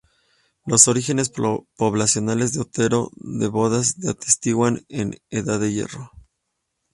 Los orígenes poblacionales de Otero de Bodas se atestiguan en la Edad del Hierro.